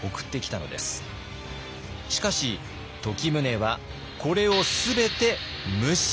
しかし時宗はこれを全て無視。